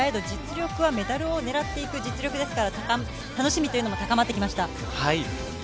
実力はメダルを狙っていく実力ですから楽しみも高まってきました。